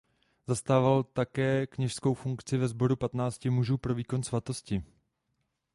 Zastával také kněžskou funkci ve sboru "Patnácti mužů pro výkon svátostí".